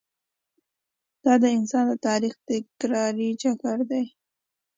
دا د انسان د تاریخ تکراري چکر دی.